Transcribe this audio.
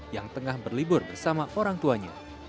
yang tengah berlibur bersama orang tuanya